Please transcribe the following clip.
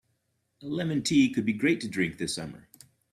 A lemon tea could be great to drink this summer.